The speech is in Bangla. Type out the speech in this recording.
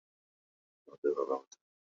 আহ, আমি ঠিক জানি না তোমাদের বাবা কোথায়।